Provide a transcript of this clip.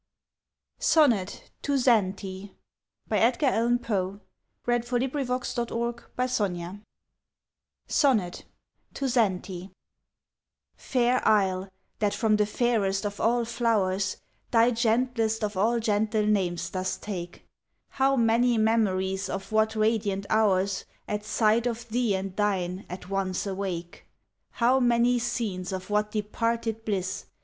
"Man," And its hero the Conqueror Worm. [Illustration: The Conqueror Worm] SONNET TO ZANTE Fair isle, that from the fairest of all flowers, Thy gentlest of all gentle names dost take! How many memories of what radiant hours At sight of thee and thine at once awake! How many scenes of what departed bliss!